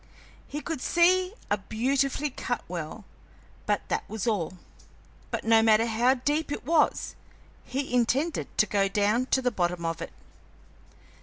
He could see a beautifully cut well, but that was all. But no matter how deep it was, he intended to go down to the bottom of it.